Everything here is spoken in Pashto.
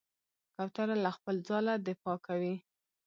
کوتره له خپل ځاله دفاع کوي.